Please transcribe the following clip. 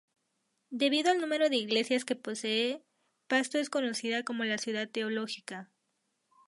Debido al número de iglesias que posee, Pasto es conocida como la "ciudad teológica".